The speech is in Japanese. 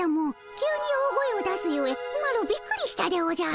急に大声を出すゆえマロびっくりしたでおじゃる。